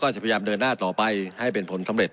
จะพยายามเดินหน้าต่อไปให้เป็นผลสำเร็จ